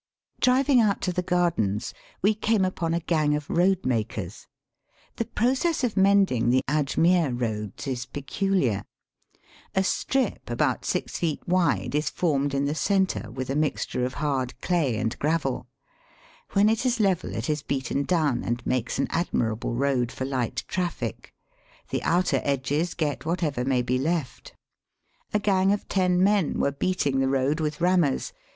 Driving out to the gardens we came upon a gang of road makers. The process of mend ing the Ajmere roads is pecuUar. A strip about six feet wide is formed in the centre with a mixture of hard clay and gravel. When it is level it is beaten down, and makes an admirable road for Hght traffic. The outer edges get whatever may be left. A gang of ten men were beating the road with rammers.